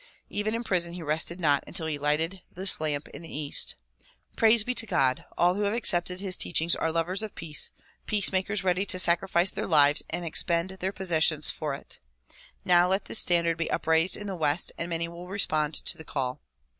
Even in prison he rested not until he lighted this lamp in the east. Praise be to God ! all who have accepted his teachings are lovers of peace, peacemakers ready to sacrifice their lives and expend their posses sions for it. Now let this standard be upraised in the west and many will respond to the call.